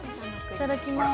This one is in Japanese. いただきまーす。